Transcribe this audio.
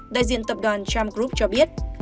đại diện tập đoàn tram group cho biết